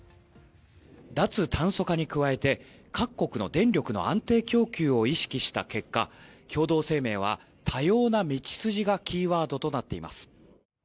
脱炭素化に加えて各国の電力の安定供給を意識した結果、共同声明は多様な道筋がキーワードとなっています。